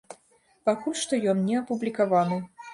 Пакуль што ён не апублікаваны.